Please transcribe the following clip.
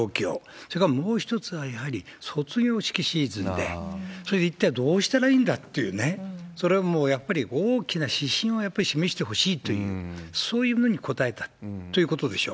それからもう一つはやはり、卒業式シーズンで、それで一体どうしたらいいんだっていうね、それはもう、やっぱり大きな指針をやっぱり示してほしいという、そういうのに応えたということでしょう。